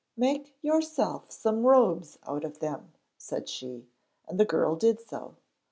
'Make yourself some robes out of them,' said she, and the girl did so.